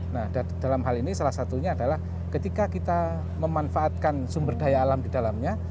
nah dalam hal ini salah satunya adalah ketika kita memanfaatkan sumber daya alam di dalamnya